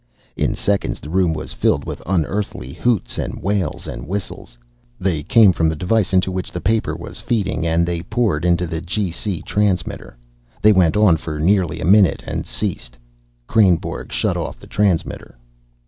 In seconds the room was filled with unearthly hoots and wails and whistles. They came from the device into which the paper was feeding, and they poured into the G.C. transmitter. They went on for nearly a minute, and ceased. Kreynborg shut off the transmitter.